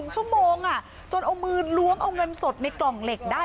๒ชั่วโมงจนเอามือล้วงเอาเงินสดในกล่องเหล็กได้